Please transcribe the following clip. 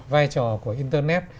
vai trò của internet